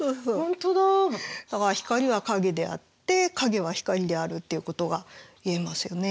だから光は影であって影は光であるっていうことが言えますよね。